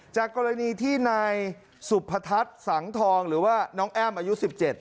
จากกรณีที่นายสุพทัศน์สังทองหรือว่าน้องแอ้มอายุ๑๗